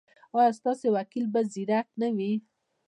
ایا ستاسو وکیل به زیرک نه وي؟